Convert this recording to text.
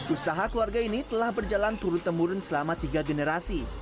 usaha keluarga ini telah berjalan turun temurun selama tiga generasi